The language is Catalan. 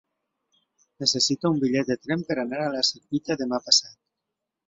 Necessito un bitllet de tren per anar a la Secuita demà passat.